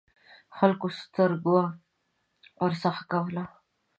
خلکو سترګه ورڅخه کوله.